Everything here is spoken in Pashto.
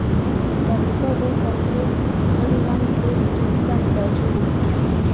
د امریکا د کانګریس غړي هم دې ټکي ته متوجه وو.